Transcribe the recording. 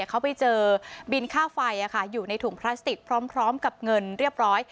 เขาไปเจอบินค่าไฟอยู่ในถุงพลาสติกพร้อมกับเงินเรียบร้อย